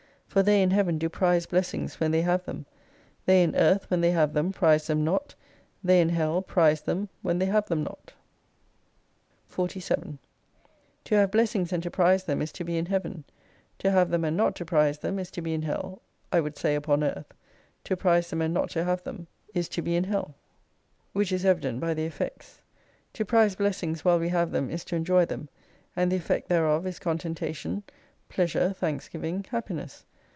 For they in Heaven do prize blessings when they have them. They in Earth when they have them prize them not, they in Hell prize them when they have them not. 47 To have blessings and to prize them is to be in Heaven ; to have them and not to prize them is to be in Hell, I would say upon Earth : To prize them and not to have them, is to be in Hell. Which is evident by the effects. To prize blessings while we have them is to enjoy them, and the effect thereof is contentation, pleasure, thanksgiving, happiness.